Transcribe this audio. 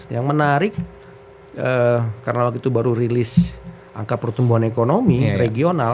yang menarik karena waktu itu baru rilis angka pertumbuhan ekonomi regional